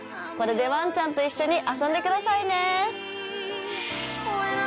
これでワンちゃんと一緒に遊んでくださいね！